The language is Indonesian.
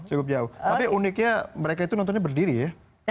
cukup jauh tapi uniknya mereka itu nontonnya berdiri ya